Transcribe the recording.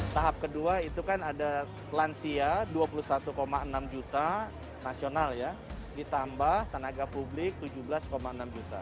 tahap kedua itu kan ada lansia dua puluh satu enam juta nasional ya ditambah tenaga publik tujuh belas enam juta